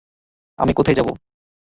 আমি কোথায় যাবো?